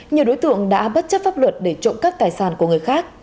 nhiều đối tượng đã bất chấp pháp luật để trộm cắp tài sản của người khác